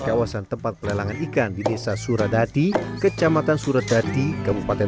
kawasan tempat pelelangan ikan di desa suradati kecamatan suradati kabupaten